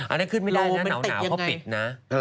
อันนั้นขึ้นไม่ได้นะหนาวเขาปิดนะ